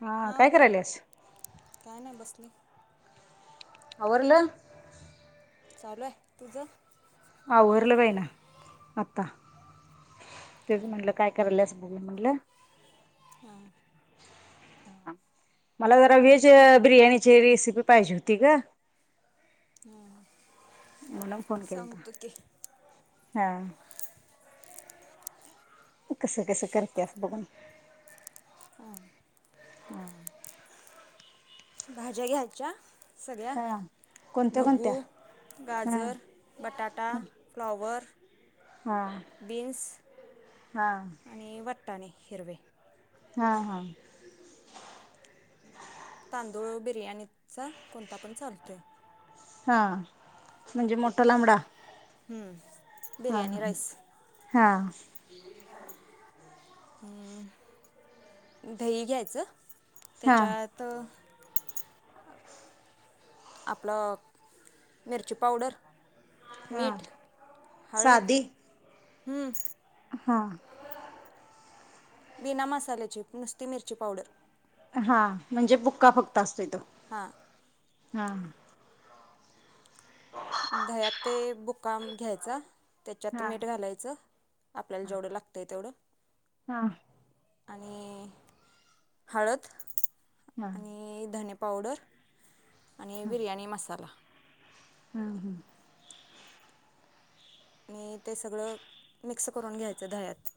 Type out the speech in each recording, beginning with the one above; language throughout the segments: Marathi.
हां काय करायलेस [inaudible] आवरलं? चालू हाय तुझ आवरल बाई ना आता तेच हां म्हटलं काय कराल्यास म्हणलं [inaudible] मला जरा व्हेज बिर्याणीची रेसिपी पाहिजे होती ग हम म्हणून फोन केलता हां कस कस करत्यात बघुन हम ह भाज्या घ्यायच्या सगळ्या हा कोणत्या ढब्बू, कोणत्या? हा गाजर, बटाटा, फ्लॉवर, हा बिन्स हा आणि वट वाटाणे हिरवे हा हा तांदूळ बिर्याणीचा कोणता पण चालतोय हा म्हणजे मोठा लांबडा हूं हा बिर्याणी राईस हा अं दही घ्यायचं हा त्याच्यात आपलं मिरची पावडर हा मीठ हळद साधी हम्म हा बिना मसाल्याची नुसती मिरची पावडर हा म्हणजे बुक्का फक्त असतोय तो हा हा दह्यात ते बुकाम घ्यायचा त्याच्यात हा मीठ घालायचं आपल्याला जेवढं लागतंय तेवढं हा हा आणि हळद हा आणि धने प पावडर आणि बिर्याणी मसाला हूं हूं आणि ते सगळं मिक्स करून घ्यायचं दह्यात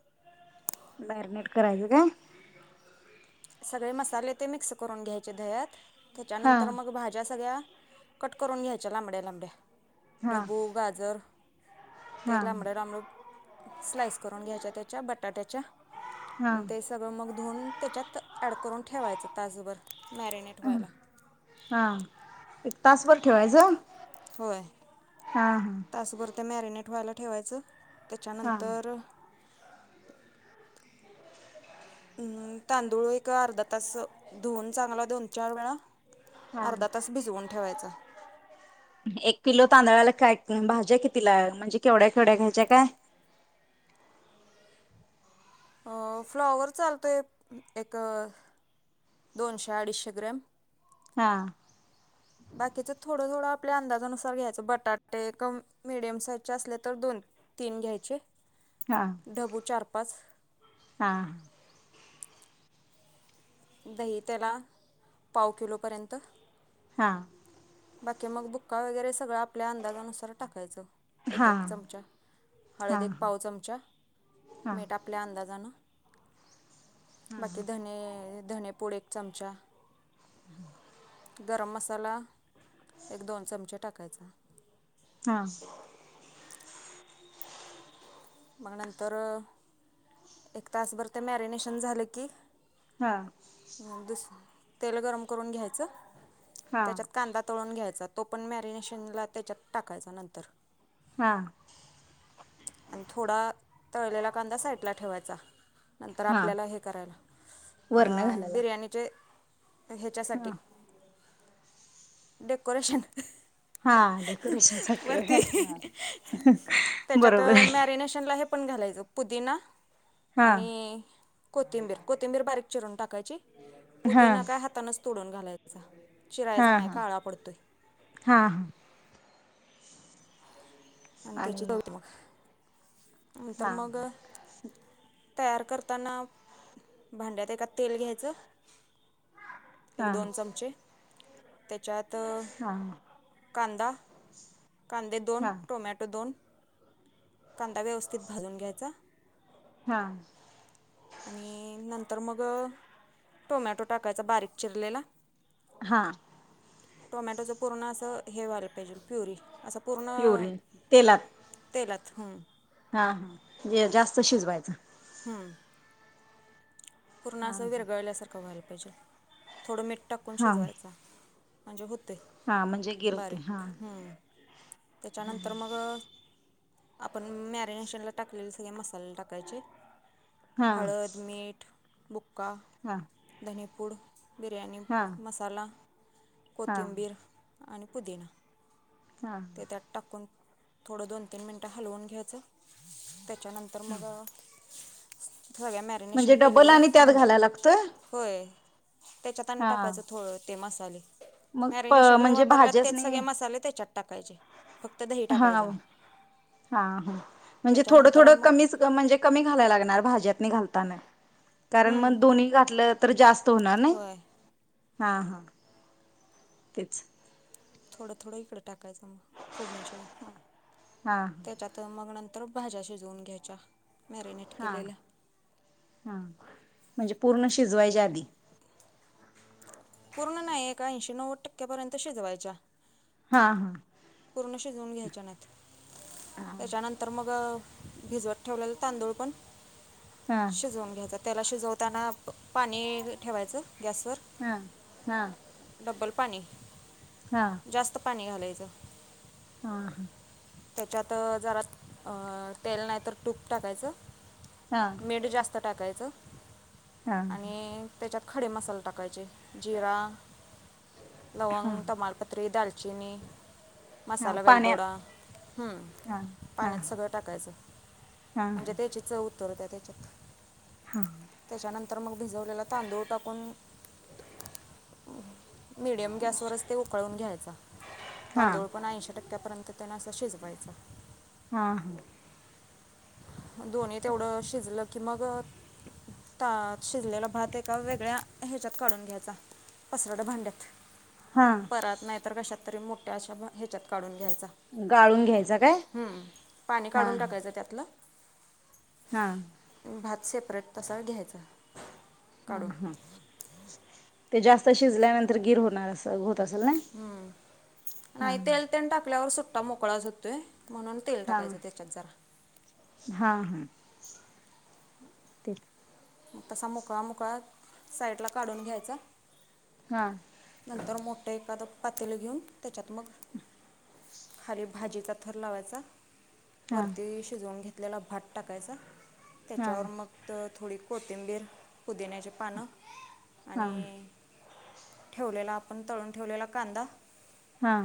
मॅरीनेट करायचं काय? सगळे मसाले ते मिक्स करून घ्यायचे दह्यात हा त्याच्यानंतर मग भाज्या सगळ्या कट करून घ्यायच्या लांबड्या लांबड्या हा ढब्बू गाजर ते हा लामडं लामड स्लाईस करून घ्यायच्या त्याच्या बटाट्याच्या हा आणि ते सगळं मग धुऊन त्याच्यात ॲड करून ठेवायचं तास भर हम हा तासभर ठेवायचं होय हा हा तासभर ते मॅरिन नेट व्हायला ठेवायच हा त्याच्यानंतर अम् तांदूळ एक अर्धा तास धुवन चांगला दोन चार वेळा हा.. अर्धा तास भिजवून ठेवायचा एक किलो तांदळाला काय? भाज्या कितीला म्हणजे केवड्या केवढ्या घ्यायच्या काय फ्लॉवर चालतोय एक दोनशे अडीचशे ग्रॅम हा बाकीच थोडं थोडं आपल्या अंदाजानुसार घ्यायचं बटाटे क मडियम साईजचे असले तर दोन तीन घ्यायचे हा ढबू चार पाच हा दही त्याला पाव किलोपर्यंत हा बाकी मग बुक्का वगैरे सगळं आपल्या अंदाजानुसार टाकायचं एक हा एक चमचा हा हळद एक पाव चमचा हा मीठ हा आपल्या अंदाजानं बाकी धने धणेपुड एक चमचा हम् गरम मसाला एक दोन चमचे टाकायचा हा मग नंतर एक तासभर ते मॅरिनेशन झाले की हा दुस तेल गरम करून घ्यायचं हा त्याच्यात कांदा तळून घ्यायचा तो पण मॅरिनेशन ला त्याच्यात टाकायचा नंतर हा आणि थोडा तळलेला कांदा साईडला ठेवायचा नंतर हा आपल्याला हे वरण करायला घालायला बिर्याणीचे ते ह्याच्यासाठी हा डेकोरेशन हा डेकोरेशन साठी वरती व्हय बर तर मॅरिनेशनला हे पण घालायच पुदीना हा आणि कोथिंबीर कोथिंबीर बारीक चिरून टाकायची हा पुदीना काय हातानच तोडून घालायचा हा चिरायचा हा नाय हा काळा पडतोय. हा आणि तेची शिजव ते मग नंतर हा मग तयार करताना भांड्यात एका तेल घ्यायच एक हा दोन चमचे त्याच्यात हा कांदा कांदे दोन, हा टोमॅटो दोन कांदा व्यवस्थित भाजून घ्यायचा. हा- आणि नंतर मग टोमॅटो टाकायचा बारीक चिरलेला हा टोमॅटोच पूर्ण अस हे व्हायला पाहिजेल प्युरी. असं पूर्ण पिवरी तेलात तेलात हं हा हा जे जास्त शिजवायच. हम पूर्ण हा अस विरगळल्यासारख व्हायला थोड मिठ टाकून हा शिजवायचा. म्हणजे होत. होतय हा म्हणजे गिर होते बारीक हा हं त्याच्यानंतर मग अ आपण मॅरिनेशनला टाकलेले सगळे मसाले टाकायचे. हा हळद, मीठ [unintelligible] का हा धनेपूड बिर्याणी हा मसाला हा कोथिंबीर आणि पुदिना हा ते त्यात टाकून थोडं दोन, तीन मिनिटं हलवून घ्यायचं. त्याच्यानंतर मग सगळ्या मॅरिनेशन म्हणजे डबल केलेल्या आणि त्यात घालायला लागतोय भा--होय. त्याच्यात आणि हा टाकायचं थो ते मसाले मग प मॅरिनेशनला म्हणजे वापरलात भाज्याच तेच नाही सगळे मसाले त्याच्यात टाकायचे. फक्त दही हा टाकायचं नाही हा ह म्हणजे त्याच्यानंतर थोडं-थोडं मग कमीच अ म्हणजे कमी घालायला लागणार भाज्यात नि घालतान कारण मग दोन्ही घातलं तर जास्त अता होणार नाही. होय हा हा तेच थोडं-थोडं इकडं टाकायचं म फोडनीच्या वेळी हा त्याच्यात मग नंत तर भाज्या शिजवून घ्यायच्या. मॅरिनेट हा केलेल्या हा म्हणजे पूर्ण शिजवायच्या आधी पूर्ण नाही एक ऐंशी, नव्वद टक्क्यापर्यंत शिजवायच्या. हा हा पूर्ण शिजवून घ्यायच्या नाहीत. त्याच्यानंतर मग भिजवत ठेवलेलं तांदूळ पण हा शिजवून घ्यायच त्याला शिजवत त्यांना पाणी ठेवायचं. गॅसवर हा हा डबल पाणी हा जास्त पाणी घालायचं हा ह त्याच्यात अ जरा तेल नाही तर तूप टाकायचं. हा मीठ जास्त टाकायचं. हा आणि त्याच्यात खडे मसाले टाकायचे. जिरा हा लवंग तमालपत्री दाल की नि हा मसाला पाण्यात वेलदोडा हम्म हा हा पाण्यात सगळं टाकायचं हा हा म्हणजे त्याची चव करू दया त्याच्यात हा त्याच्यानंतर मग भिजवलेला तांदूळ टाकून मीडियम गॅस वरच ते उकळून घ्यायचा हा तांदूळ पण ऐंशी टक्क्यापर्यंत त्यांना असा शिजवायचा हा हं दोन्ही तेवढं शिजलं कि मग त्यात शिजलेला भात एका वेगळ्या ह्याच्यात काढून घ्यायचा पसरट भांड्यात हा परात नाही तर कशात तरी त्या अशा भा ह्याच्यात काढून घ्यायचा गाळून घ्यायचा काय हम्म पाणी हा काढून टाकायचं त्यातलं हा भात सेपरेट तसा घ्यायचा हम्म काढून हम्म [inaudible] ते जास्त शिजल्यानंतर गिर होणार अस असेल ना हम्म हा नाही तेल तेल टाकल्यावर सुट्ट तो मोकळाच होतोय. म्हणून तेल हा टाकायचं त्याच्यात जरा तेल तसा मोकळा मोकळा साईडला काढून घ्यायचा हा नंतर मो एखाद एखादं पातेलं घेऊन त्याच्यात मग खाली भाजीचा थर लावायचा. हा वरती शिजवून घेत आपल्याला भात टाकायचा हा त्याच्यावर मग त थोडी कोथिंबीर पुदिन्याचे पानं हा आणि ठेवलेलं आप आपण तळून ठेवलेला कांदा हा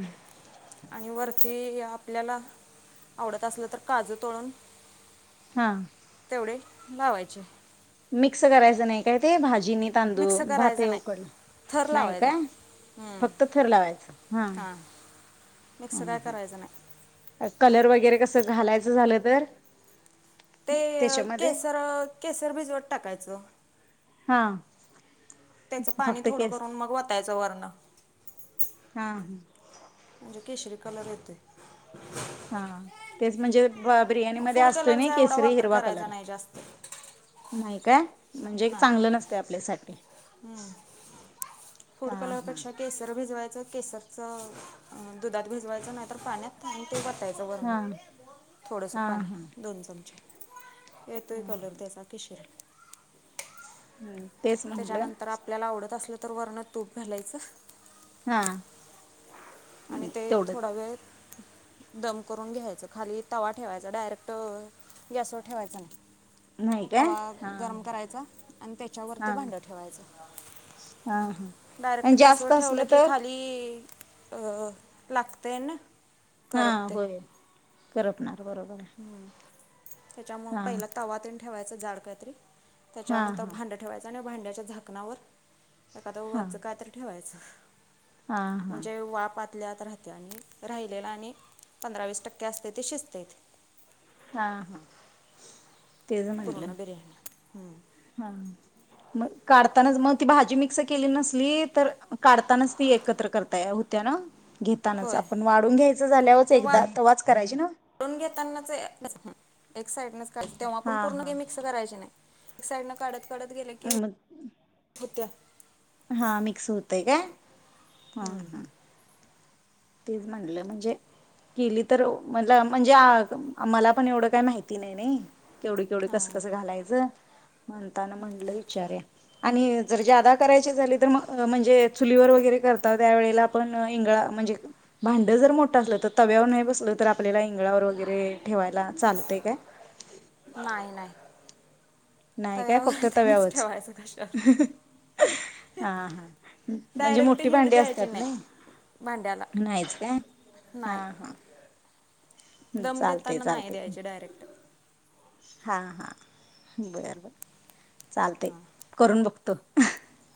आणि वर ती आपल्याला आवडत असलं तर काजू तळून हा तेवढे लावायचे. मिक्स करायच नाय काय ते भाज जिनी मिक्स तांदूळ भातयी करायचं नाही उकडल थर नाही लावायचा का हम्म, फक्त थर लावायच हा हां मिक्स ह काय करायचं नाही ह कलर वगैरे कस घालायचं झालंतर ते केसरं अ केसर भिजवत टाकायच हा त्याच पाणी थोड करून मग वताय तो वरण हा हं केशरी कलर येतोय. हा तेच म्हणजे ब बिर्याणी मध्ये फूड असतोय न कलरचा एवढा केसरी वापर हिरवा करायचा कलर नाही जास्त नाही काय? म्हणजे चांगल नसतय आपल्यासाठी हूं फूड हा हा कलरपेक्षा केसर भिजवायच केसरच दुधात भिजवायच नाही तर पाण्यात ते वतयाच हा वरणं थोडस हा पाणी हा दोन चमचे एतोय कलर त्याचा केशरी हम्म तेच म्हटलं त्याच्यानंतर आपल्याला आवडत असल तर वरणात तूप घालायच हा आणि ते तेवढंच थोडा वेळ दम करून घ्यायच खाली तवा ठेवायचा डायरेक्ट गॅसवर ठेवायचा नाय. नाही काय तवा हा गरम करायचा आणि त्याच्यावर ते हा भांड ठेवायच हा हा डायरेक्ट आणि गॅसवर जास्त ठेवल असलं की तर खाली अं लागतय न हा होय. करपनार बरोबरय त्याच्यामुळे पहिला तवात तेन ठेवायच जाड काहीतरी हा त्याच्यानंतर हा भांड ठेवायचं आणि भांड्या त्या झाकणावर एखाद हा वज्ज काय तर ठेवायच. हा हा म्हणजे वाप आत आतल्या आत राहतेय आणि राहिलेलं आणि पंधरा वीस टक्के असतय ते शिजतय हा हा तेच म्हटलं कोरोना [unintelligible] हूं हा मग काढतानाच मग ती भाजी मिक्स केली नसली तर काढतानाच ती एकत्र करता होत्या ना घेतानाच होय आपण वाढून घ्यायचं झाल्यावरच ते एकदा वाढून तवाच करायची ना घेतानाच हं. एक साईडनच तेव्हा पण हा पूर्ण काय हा मिक्स करायचे नाय साईड न काढत कडत गेलं की मग होत्या हा मिक्स होतय काय? हूं हं. हूं तेच म्हणलं म्हणजे केली तर म्हणल म्हणजे मला पण एवढं काय माहिती नाही नाय केवढी केवढी कसं हां. कसं घालायचं म्हणताना म्हटलं विचारेन आणि जर ज्यादा करायचे झाली तर म म्हणजे चुलीवर वगैरे करता त्यावेेळेला आपण इंगळा म्हणजे भांड जर मोठं असलं तर तव्यावर नाही बसलं तर आपल्याला इंगळावर वगैरे ठेवायला चालतय काय? नाही नाही नाही काय फक्त तव्यावर त्यांनाच तव्यावरच ठेवायचं कशावर हा हां म्हणजे डायरेक्ट मोठी हीट भांडी द्यायची असत्यात नाही नाय भांड्याला नाहीच काय हा नाही हा हूं दम चालतंय देताना नाही चालतंय द्यायचे डायरेक्ट हा हा [unintelligible] चालतय करून ब [inaudible]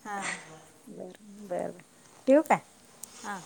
हा बरं बरं बरं ठेऊ का? हा